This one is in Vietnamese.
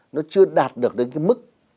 nó chưa đạt được đến cái mức